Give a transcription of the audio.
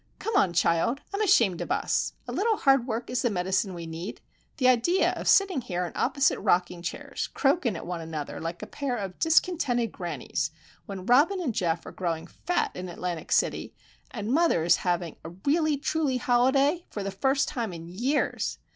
"Come on, child,—I'm ashamed of us! A little hard work is the medicine we need. The idea of sitting here in opposite rocking chairs, croakin' at one another like a pair of discontented grannies, when Robin and Geof are growing fat in Atlantic City, and mother is having a really truly holiday for the first time in years!